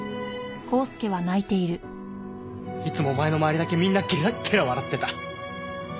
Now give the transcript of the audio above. いつもお前の周りだけみんなゲラッゲラ笑ってた。